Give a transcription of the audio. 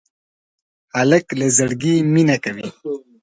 هلک له زړګي مینه کوي.